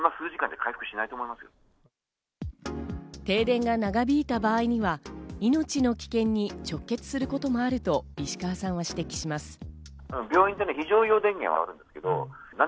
停電が長引いた場合には命の危険に直結することもあると石川さんは指摘します。